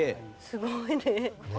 すごいね。